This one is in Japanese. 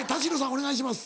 お願いします。